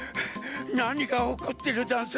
なにがおこってるざんす？